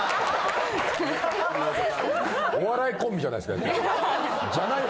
お笑いコンビじゃないですか。